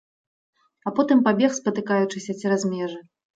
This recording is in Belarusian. А потым пабег, спатыкаючыся, цераз межы.